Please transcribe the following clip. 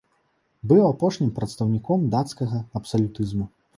Быў апошнім прадстаўніком дацкага абсалютызму.